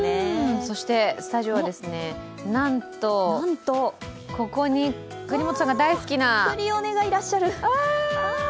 そしてスタジオはなんとここに國本さんが大好きなクリオネがいらっしゃる。